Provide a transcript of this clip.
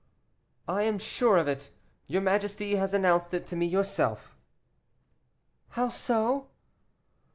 "I am sure of it; your majesty has announced it to me yourself." "How so?"